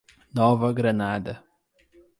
Nova Granada